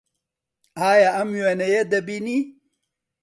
ئایا ئەم وێنەیە دەبینی؟